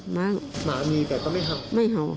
หมามีแต่ก็ไม่เห่า